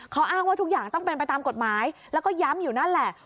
เขาอ้างว่าทุกอย่างต้องเป็นไปตามกฎหมายแล้วก็ย้ำอยู่นั่นแหละ